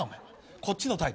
こっちのタイプ？